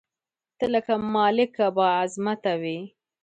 ته لکه مالکه بااعظمته وې